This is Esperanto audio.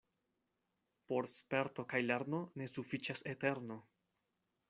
Por sperto kaj lerno ne sufiĉas eterno.